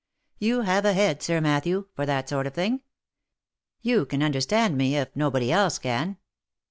You have a head, Sir Matthew, for that sort of thing ; you can understand me, if nobody else can."